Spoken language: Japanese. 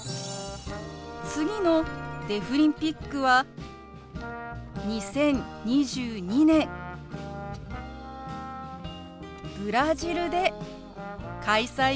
次のデフリンピックは２０２２年ブラジルで開催予定です。